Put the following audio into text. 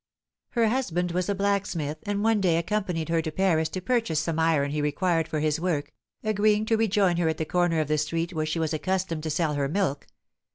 Her husband was a blacksmith, and one day accompanied her to Paris to purchase some iron he required for his work, agreeing to rejoin her at the corner of the street where she was accustomed to sell her milk.